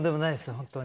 本当に。